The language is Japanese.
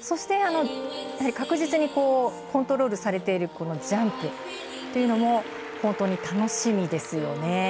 そして、確実にコントロールされているジャンプというのも本当に楽しみですよね。